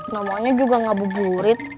namanya juga labu burit